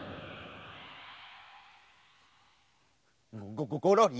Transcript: ゴゴゴロリ。